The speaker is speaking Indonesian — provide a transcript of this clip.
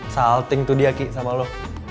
salting tuh dia ki sama lo